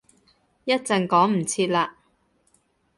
一陣趕唔切喇